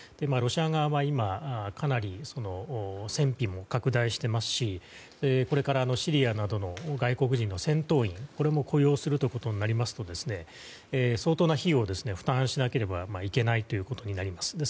ロシア側は今かなり戦費も拡大していますしこれからシリアなどの外国人の戦闘員これも雇用するということになりますと相当な費用を負担しなければいけないことになります。